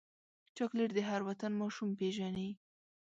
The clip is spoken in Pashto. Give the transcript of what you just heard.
چاکلېټ د هر وطن ماشوم پیژني.